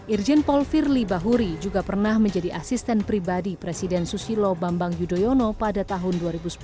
irjen paul firly bahuri juga pernah menjadi asisten pribadi presiden susilo bambang yudhoyono pada tahun dua ribu sepuluh